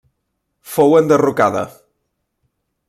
Fou enderrocada.